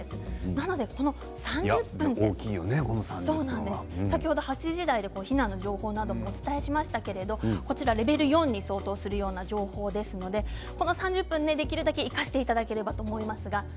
なので３０分で先ほど８時台で避難の情報をお伝えしましたけれどもレベル４に相当するような情報ですのでこの３０分できるだけ生かしていただければと思います。